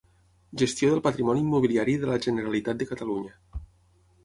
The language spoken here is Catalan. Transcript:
Gestió del Patrimoni Immobiliari de la Generalitat de Catalunya.